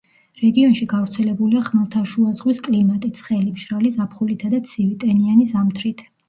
რეგიონში გავრცელებულია ხმელთაშუაზღვის კლიმატი, ცხელი, მშრალი ზაფხულითა და ცივი, ტენიანი ზამთრით.